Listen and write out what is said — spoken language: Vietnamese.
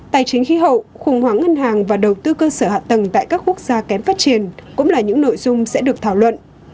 tài chính khí hậu khủng hoảng ngân hàng và đầu tư cơ sở hạ tầng tại các quốc gia kém phát triển cũng là những nội dung sẽ được thảo luận